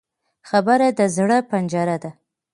خبره د زړه پنجره ده